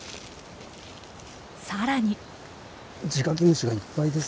更に。